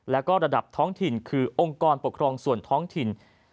แล้วก็ระดับท้องถิ่นคือองค์กรปกครองส่วนท้องถิ่น